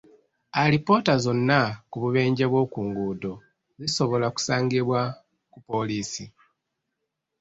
Alipoota zonna ku bubenje bw'oku nguudo zisobola okusangibwa ku poliisi.